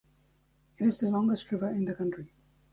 It is the longest river in the country.